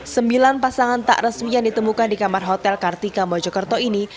sembilan pasangan tak resmi yang ditemukan di kamar hotel kartika mojokerto ini